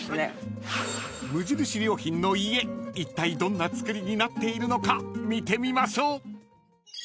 ［無印良品の家いったいどんな造りになっているのか見てみましょう］